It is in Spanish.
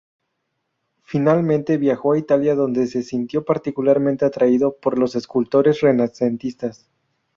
Finalmente viajó a Italia donde se sintió particularmente atraído por los escultores renacentistas.